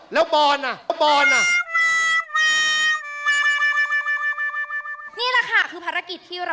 แล้วก็ปลาอินซีด้วย